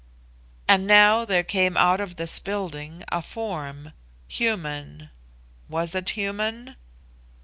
And now there came out of this building a form human; was it human?